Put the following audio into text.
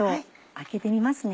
開けてみますね。